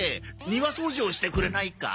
庭掃除をしてくれないか？